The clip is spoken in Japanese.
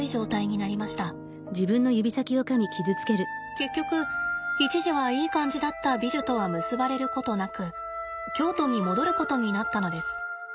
結局一時はいい感じだったビジュとは結ばれることなく京都に戻ることになったのです。